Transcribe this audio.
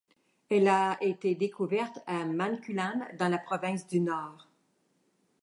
Elle a été découverte à Mankulam dans la province du Nord.